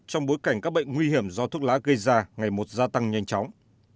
trong bối cảnh các bệnh nguy hiểm do thuốc lá gây ra ngày một gia tăng nhanh chóng